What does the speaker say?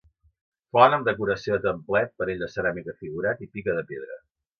Font amb decoració de templet, panell de ceràmica figurat i pica de pedra.